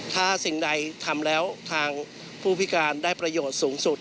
ถ้าสิ่งใดทำแล้วทางผู้พิการได้ประโยชน์สูงสุด